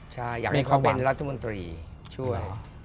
ใช่อยากให้เขาเป็นรัฐมนตรีช่วย